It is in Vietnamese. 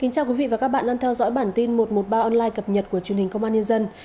chào mừng quý vị đến với bản tin một trăm một mươi ba online cập nhật của truyền hình công an nhân dân